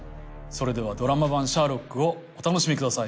それではドラマ版『シャーロック』をお楽しみください。